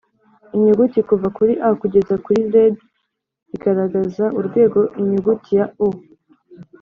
inyuguti kuva kuri A kugeza kuri Z igaragaza urwego Inyuguti ya O